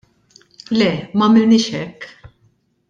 Le m'għamilniex hekk.